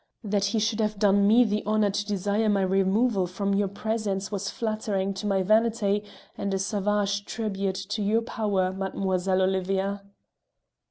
That he should have done me the honour to desire my removal from your presence was flattering to my vanity, and a savage tribute to your power, Mademoiselle Olivia."